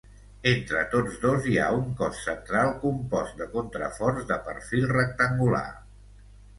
Entre tots dos, hi ha un cos central compost de contraforts de perfil rectangular.